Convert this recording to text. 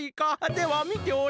ではみておれ！